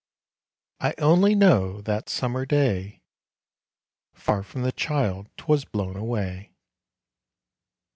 I only know that summer day, Far from the child 'twas blown away.